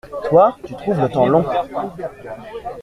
Toi, tu trouves le temps long.